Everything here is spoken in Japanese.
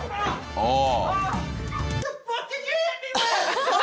ああ。